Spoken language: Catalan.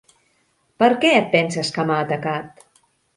Per què et penses que m'ha atacat?